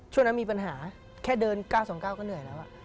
ช่วงนั้นมีปัญหาแค่เดินก้าวสองก้าวก็เหนื่อยแล้ว